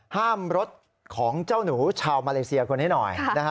ห้ามรถของเจ้าหนูชาวมาเลเซียคนนี้หน่อย